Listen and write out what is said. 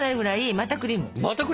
またクリーム？